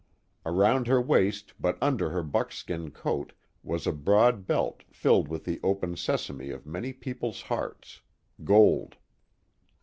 Around her waist but under her buckskin coat was a broad belt filled with the open sesame of many people's hearts — gold.